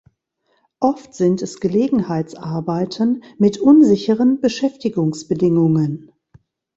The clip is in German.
Oft sind es Gelegenheitsarbeiten mit unsicheren Beschäftigungsbedingungen.